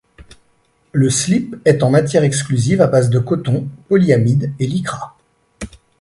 Le slip est en matière exclusive à base de coton, polyamide et lycra.